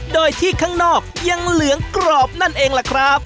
โดยที่ข้างนอกยังเหลืองกรอบนั่นเองล่ะครับ